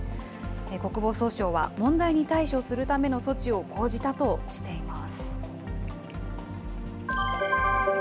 国防総省は、問題に対処するための措置を講じたとしています。